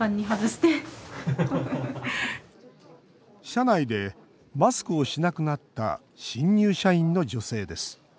社内でマスクをしなくなった新入社員の女性です。